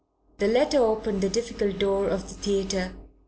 The letter opened the difficult door of the theatre.